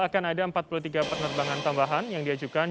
demi memberikan pelayanan yang maksimal bagi calon penonton